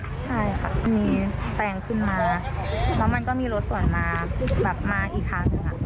ใช่ค่ะมีแซงขึ้นมาแล้วมันก็มีรถสวนมาแบบมาอีกครั้งหนึ่ง